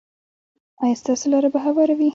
ایا ستاسو لاره به هواره وي؟